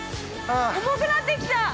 ◆重くなってきた。